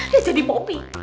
dia jadi popi